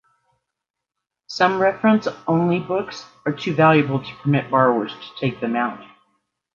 Some reference-only books are too valuable to permit borrowers to take them out.